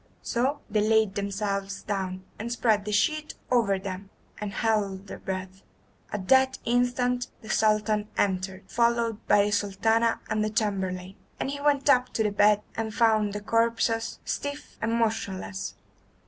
So they laid themselves down, and spread the sheet over them, and held their breath. At that instant the Sultan entered, followed by the Sultana and the chamberlain, and he went up to the bed and found the corpses stiff and motionless.